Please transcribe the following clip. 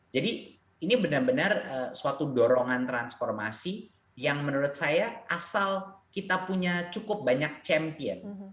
jadi ini benar benar suatu dorongan transformasi yang menurut saya asal kita punya cukup banyak champion